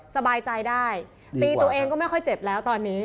สบายใจได้ตีตัวเองก็ไม่ค่อยเจ็บแล้วตอนนี้